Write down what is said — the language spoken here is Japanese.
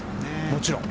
もちろん。